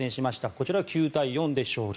こちらは９対４で勝利。